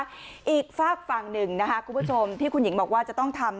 อีกฝากฝั่งหนึ่งนะคะคุณผู้ชมที่คุณหญิงบอกว่าจะต้องทำ